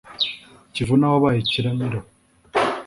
kivuna wabaye kiramira.